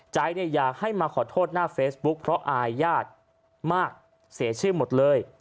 ใจอยากให้มาขอโทษหน้าเฟซบุ๊กเพราะอาญาติมากเสียชื่อหมดเลย